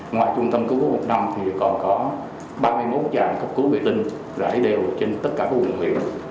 ngoài trung tâm cấp cứu một năm thì còn có ba mươi một trạm cấp cứu vệ tinh rải đều trên tất cả quần huyện